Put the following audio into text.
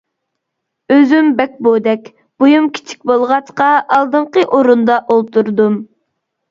ئۆزۈم بەك بودەك، بويۇم كىچىك بولغاچقا ئالدىنقى ئورۇندا ئولتۇردۇم.